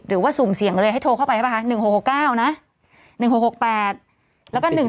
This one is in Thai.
หรือว่าสูงเสี่ยงเลยให้โทรเข้าไปหรือเปล่าฮะ๑๖๖๙นะ๑๖๖๘แล้วก็๑๓๓๐